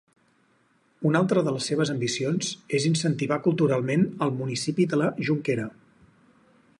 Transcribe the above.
Una altra de les seves ambicions és incentivar culturalment el municipi de la Jonquera.